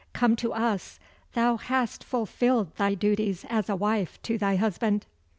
Come to us, Thou hast fulfilled thy duties as a wife to thy husband."